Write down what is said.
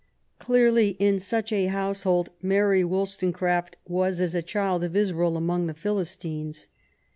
Clearly, in such a household Mary WoUstonecraft was as a child of Israel among: the Philistines.